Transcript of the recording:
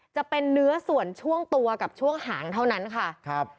จะเป็นเนื้อส่วนช่วงตัวกับช่วงหางเท่านั้นค่ะครับ